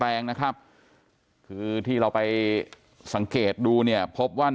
นางนาคะนี่คือยายน้องจีน่าคุณยายถ้าแท้เลย